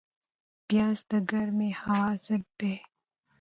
پیاز د ګرمې هوا ضد دی